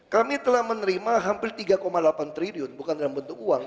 kami telah menerima hampir tiga delapan triliun bukan dalam bentuk uang